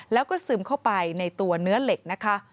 แล้วก็ซึมเข้าไปในตัวเนื้อเหล็กนะคะ